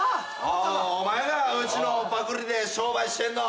お前かうちのパクリで商売してんの。